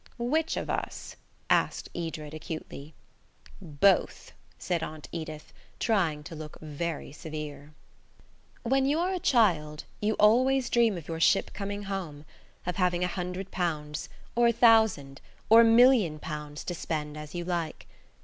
"Which of us?" asked Edred acutely. "Both," said Aunt Edith, trying to look very severe. When you are a child you always dream of your ship coming home–of having a hundred pounds, or a thousand, or a million pounds to spend as you like.